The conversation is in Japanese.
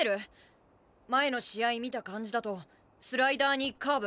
前の試合見た感じだとスライダーにカーブ